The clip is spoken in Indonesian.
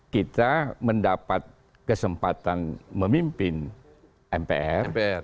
kita mendapat kesempatan memimpin mpr